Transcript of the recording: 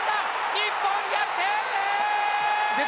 日本、逆転！